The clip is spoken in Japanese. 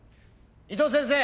伊藤先生